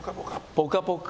ぽかぽか！